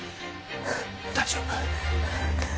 大丈夫？